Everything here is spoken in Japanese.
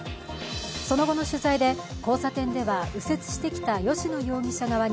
その後の取材で、交差点では右折してきた吉野容疑者側に